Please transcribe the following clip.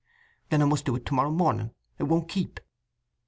"Then I must do it to morrow morning. It won't keep."